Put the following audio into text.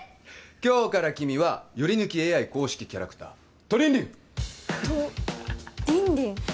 今日から君はヨリヌキＡＩ公式キャラクタートリンリントリンリン？